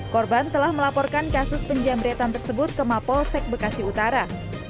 korban telah melaporkan kasus penjamretan tersebut ke mapolsek bekasi utara